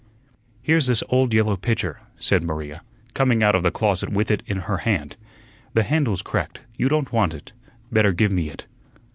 "Here's this old yellow pitcher," said Maria, coming out of the closet with it in her hand. "The handle's cracked; you don't want it; better give me it."